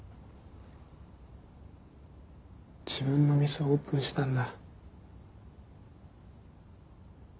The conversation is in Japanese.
自分の店オープンしたんだ。